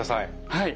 はい。